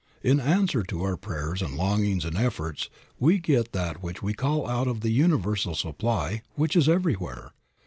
In answer to our prayers and longings and efforts we get that which we call out of the universal supply, which is everywhere.